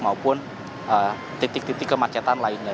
maupun titik titik kemacetan lainnya